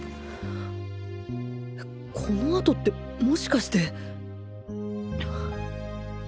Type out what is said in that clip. この跡ってもしかして